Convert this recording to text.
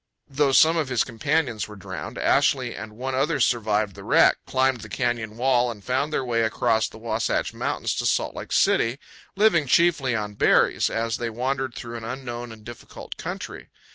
Though some of his companions were drowned, Ashley and one other survived the wreck, climbed the canyon wall, and found their way across the Wasatch Mountains to Salt Lake City, living chiefly on berries, as they wandered through an unknown and difficult country.